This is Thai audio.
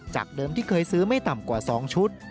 เดิมที่เคยซื้อไม่ต่ำกว่า๒ชุด